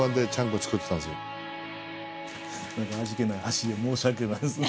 味気ない箸で申し訳ないです。